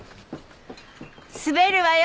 滑るわよ